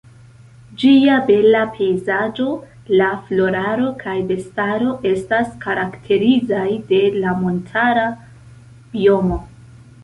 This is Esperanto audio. Ĝia bela pejzaĝo, la floraro kaj bestaro estas karakterizaj de la montara biomo.